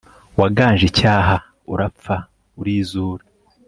waganje icyaha urapfa urizura